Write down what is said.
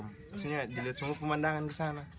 maksudnya dilihat semua pemandangan ke sana